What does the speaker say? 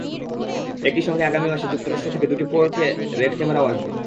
একই সঙ্গে আগামী মাসে যুক্তরাষ্ট্র থেকে দুটি ফোর-কে রেড ক্যামেরাও আসবে।